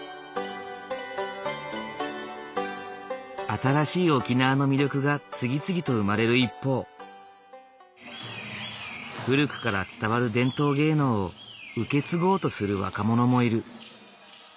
新しい沖縄の魅力が次々と生まれる一方古くから伝わる伝統芸能を受け継ごうとする若者もいる。